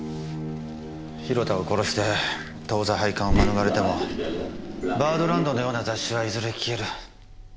広田を殺して当座廃刊を免れても『バードランド』のような雑誌はいずれ消える。